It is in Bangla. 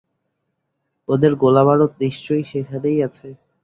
ওদের গোলাবারুদ নিশ্চয়ই সেখানেই আছে।